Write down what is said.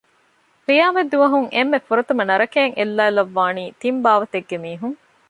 ޤިޔާމަތްދުވަހުން އެންމެ ފުރަތަމަ ނަރަކައަށް އެއްލައިލައްވާނީ ތިން ބާވަތެއްގެ މީހުން